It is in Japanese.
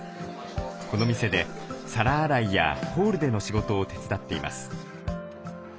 この店で皿洗いやホールでの仕事を手伝っています。